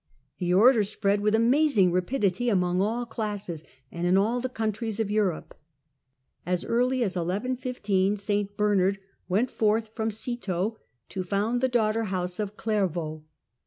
The Order spread with amazing rapidity, among all classes, and in all the countries of Europe. As early as 1115 St Bernard went forth from Citeaux to found the daughter house of Clairvaux.